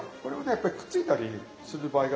やっぱりくっついたりする場合がありますから。